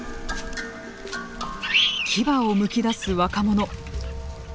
牙をむき出す若者。